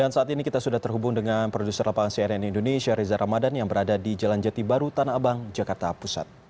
saat ini kita sudah terhubung dengan produser lapangan cnn indonesia reza ramadan yang berada di jalan jati baru tanah abang jakarta pusat